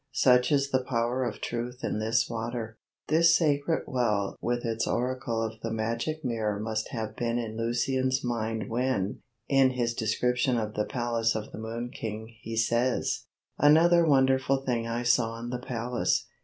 Such is the power of truth in this water. This sacred well with its oracle of the magic mirror must have been in Lucian's mind when, in his description of the palace of the Moon King, he says: Another wonderful thing I saw in the palace.